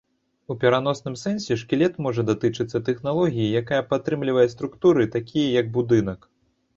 У пераносным сэнсе, шкілет можа датычыцца тэхналогіі, якая падтрымлівае структуры, такія як будынак.